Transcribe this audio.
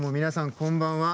こんばんは。